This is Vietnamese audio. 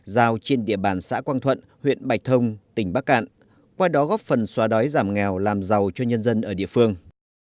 giao trên địa bàn xã quang thuận huyện bạch thông tỉnh bắc cạn qua đó góp phần xóa đói giảm nghèo làm giàu cho nhân dân ở địa phương